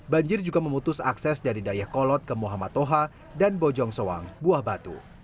banjir juga memutus akses dari dayakolot ke muhammad toha dan bojong soang buah batu